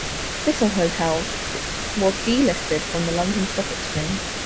Thistle Hotels was delisted from the London Stock Exchange.